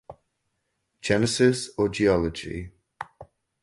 Genesis or Geology?